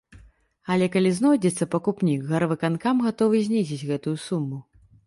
Але калі знойдзецца пакупнік, гарвыканкам гатовы знізіць гэтую суму.